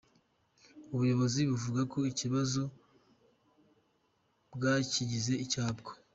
Ubuyobozi buvuga ko ikibazo bwakigize icyabwo.